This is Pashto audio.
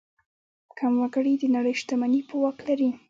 کم وګړي د نړۍ شتمني په واک لري.